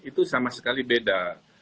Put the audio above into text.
itu sama sekali beda